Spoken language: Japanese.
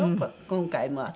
今回も。